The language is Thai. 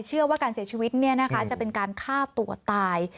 เชื่อว่าการเสียชีวิตจะเป็นการฆ่าตัวตาย